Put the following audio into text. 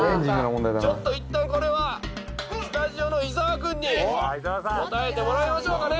ちょっと一旦これはスタジオの伊沢くんに答えてもらいましょうかね。